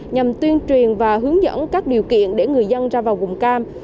nhằm tuyên truyền và hướng dẫn các điều kiện để người dân ra vào vùng cam